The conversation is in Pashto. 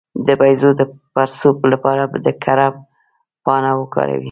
د بیضو د پړسوب لپاره د کرم پاڼه وکاروئ